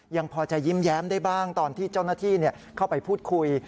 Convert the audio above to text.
ยังพอจะยิ้มแย้มได้บ้างตอนที่เจ้าหน้าที่เข้าไปพูดคุย